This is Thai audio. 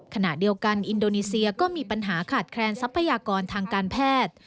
ขณะเดียวกันอินโดนีเซียก็มีปัญหาขาดแคลนทรัพยากรทางการแพทย์